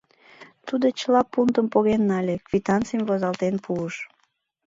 Тудо чыла пунтым поген нале, квитанцийым возалтен пуыш.